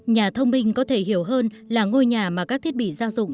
nhà thông minh có thể hiểu hơn là ngôi nhà mà các thiết bị giao dùng